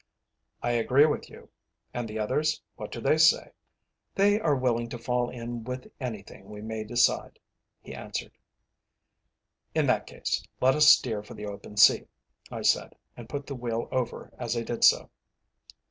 "I agree with you. And the others, what do they say?" "They are willing to fall in with anything we may decide," he answered. "In that case, let us steer for the open sea," I said, and put the wheel over as I did so.